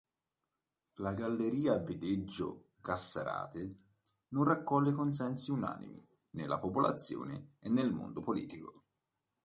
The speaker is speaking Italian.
La galleria Vedeggio-Cassarate non raccoglie consensi unanimi nella popolazione e nel mondo politico.